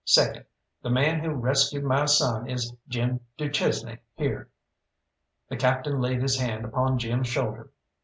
Second, the man who rescued my son is Jim du Chesnay here." The Captain laid his hand upon Jim's shoulder.